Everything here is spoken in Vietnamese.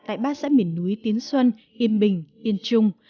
tại ba xã miền núi tiến xuân yên bình yên trung